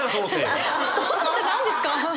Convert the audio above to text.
臍って何ですか？